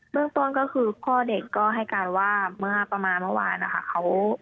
เรื่องต้นก็คือพ่อเด็กก็ให้การว่าเมื่อประมาณเมื่อวานนะคะ